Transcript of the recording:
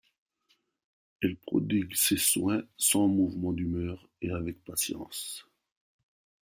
Elle prodigue ses soins sans mouvement d’humeur et avec patience.